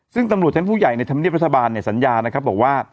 ซึ่งตำรวจชั้นผู้ใหญ่ในธรรมเนียบรัฐบาลเนี่ยสัญญานะครับบอกว่า